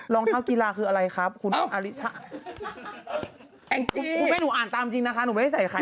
รองเท้ากีฬาคืออะไรครับคุณอาริชะคุณแม่หนูอ่านตามจริงนะคะหนูไม่ได้ใส่ใคร